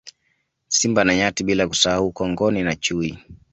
Simba na Nyati bila kusahau Kongoni na Chui